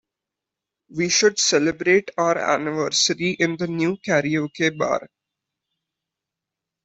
We should celebrate our anniversary in the new karaoke bar.